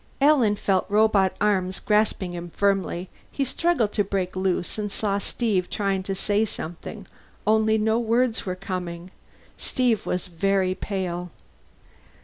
Alan felt robot arms grasping him firmly. He struggled to break loose, and saw Steve trying to say something, only no words were coming. Steve was very pale.